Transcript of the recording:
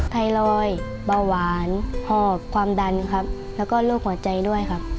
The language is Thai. ไทรอยด์เบาหวานหอบความดันครับแล้วก็โรคหัวใจด้วยครับ